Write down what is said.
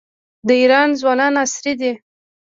د ایران ځوانان عصري دي.